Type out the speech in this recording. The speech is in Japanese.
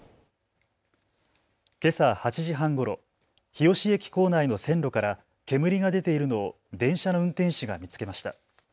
けさ８時半ごろ、日吉駅構内の線路から煙が出ているのを電車の運転士が見つけました。